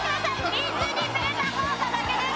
水にぬれた方が負けです！